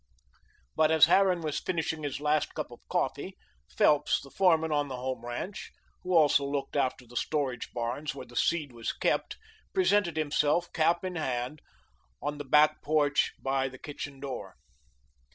But as Harran was finishing his last cup of coffee, Phelps, the foreman on the Home ranch, who also looked after the storage barns where the seed was kept, presented himself, cap in hand, on the back porch by the kitchen door.